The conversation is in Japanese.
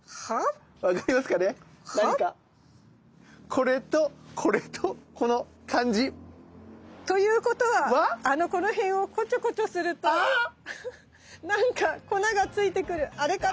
これとこれとこの感じ。ということはこの辺をコチョコチョすると何か粉がついてくるあれかな？